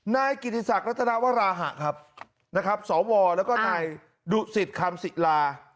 นายกิติศักดิ์รัฐนาวราหะครับนะครับสวแล้วก็นายดุสิตคำศิลา